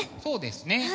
そうですね。